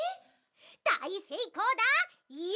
だいせいこうだよ！